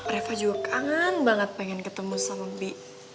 reva juga kangen banget pengen ketemu sama bi